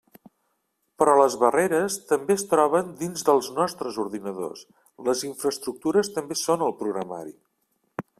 Però les barreres també es troben dins dels nostres ordinadors, les infraestructures també són el programari.